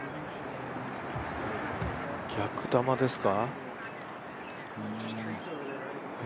逆球ですか。